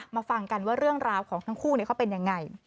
ฟังกันว่าเรื่องราวของทั้งคู่เขาเป็นยังไง